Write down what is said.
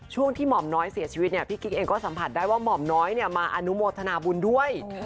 ช่วงที่หม่อมน้อยเสียชีวิตเนี่ยพี่กิ๊กเองก็สัมผัสได้ว่าหม่อมน้อยมาอนุโมทนาบุญด้วย